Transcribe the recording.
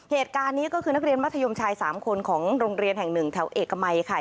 เหตุการณ์นี้ก็คือนักเรียนมัธยมชาย๓คนของโรงเรียนแห่งหนึ่งแถวเอกมัยค่ะ